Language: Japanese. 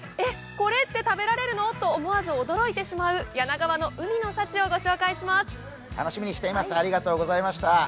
これって食べられるの？と思わず驚いてしまう柳川の海の幸を御紹介します。